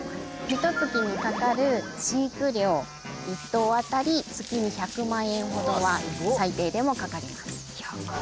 ひと月にかかる飼育料１頭あたり月に１００万円ほどは最低でもかかります